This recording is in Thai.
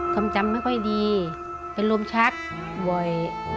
คงจำไม่ค่อยดีเป็นรมชักโดย